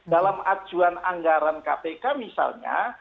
dalam acuan anggaran kpk misalnya